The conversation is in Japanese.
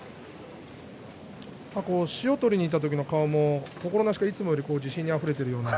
塩を取りにいった時の顔も心なしか、いつもより自信にあふれているような。